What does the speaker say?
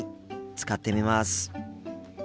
使ってみます。